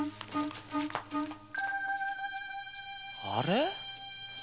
あれ？